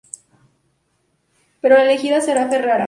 Pero la elegida será Ferrara.